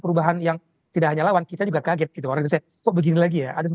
perubahan yang tidak hanya lawan kita juga kaget gitu orang indonesia kok begini lagi ya ada